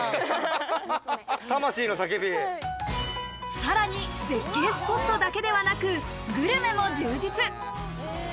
さらに絶景スポットだけではなくグルメも充実。